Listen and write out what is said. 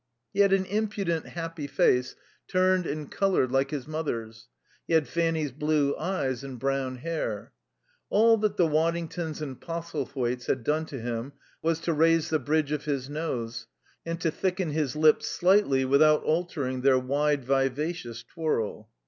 He had an impudent, happy face, turned and coloured like his mother's; he had Fanny's blue eyes and brown hair. All that the Waddingtons and Postlethwaites had done to him was to raise the bridge of his nose, and to thicken his lips slightly without altering their wide, vivacious twirl.